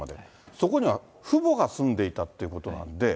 そこには父母が住んでいたということなんで。